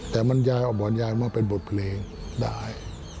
แต่มันยายเอาบ่อนยายมาเป็นบทเพลงได้